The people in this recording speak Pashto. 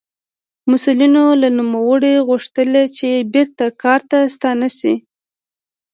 مسوولینو له نوموړي وغوښتل چې بېرته کار ته ستانه شي.